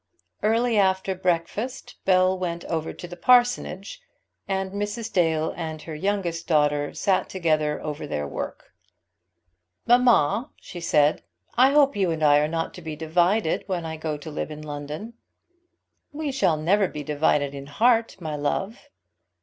Early after breakfast Bell went over to the parsonage, and Mrs. Dale and her youngest daughter sat together over their work. "Mamma," she said, "I hope you and I are not to be divided when I go to live in London." "We shall never be divided in heart, my love."